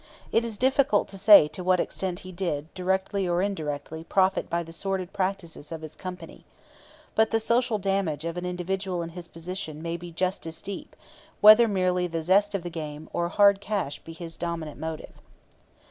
It is difficult to say to what extent he did, directly or indirectly, profit by the sordid practices of his company. But the social damage of an individual in his position may be just as deep, whether merely the zest of the game or hard cash be his dominant motive."